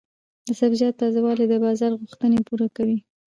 د سبزیجاتو تازه والي د بازار غوښتنې پوره کوي.